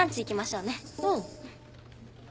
うん。